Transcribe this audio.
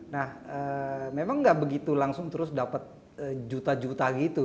nah memang nggak begitu langsung terus dapat juta juta gitu